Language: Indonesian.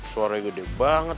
suaranya gede banget